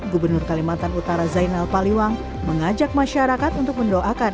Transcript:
gubernur kalimantan utara zainal paliwang mengajak masyarakat untuk mendoakan